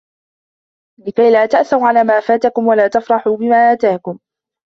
لِكَيْلَا تَأْسَوْا عَلَى مَا فَاتَكُمْ وَلَا تَفْرَحُوا بِمَا آتَاكُمْ